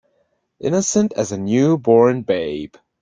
Innocent as a new born babe.